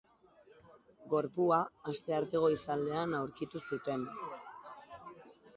Gorpua astearte goizaldean aurkitu zuten.